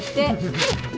はい！